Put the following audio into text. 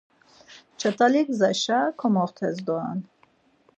Ç̌atali gzaşa komoxtes doren.